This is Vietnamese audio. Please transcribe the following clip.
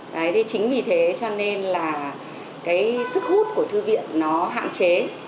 đấy chính vì thế cho nên là cái sức hút của thư viện nó hạn chế